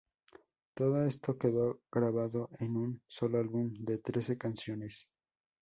Todo esto quedó grabado en un solo álbum de trece canciones.